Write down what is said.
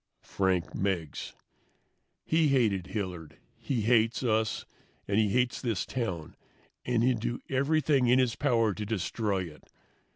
Frank Meggs. "He hated Hilliard, he hates us, and he hates this town, and he'll do everything in his power to destroy it.